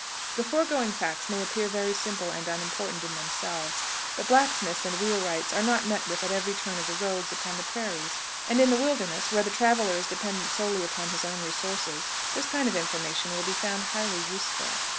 The foregoing facts may appear very simple and unimportant in themselves, but blacksmiths and wheelwrights are not met with at every turn of the roads upon the prairies; and in the wilderness, where the traveler is dependent solely upon his own resources, this kind of information will be found highly useful.